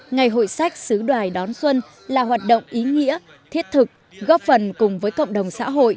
ngày hội sách xứ đoài đón xuân là hoạt động ý nghĩa thiết thực góp phần cùng với cộng đồng xã hội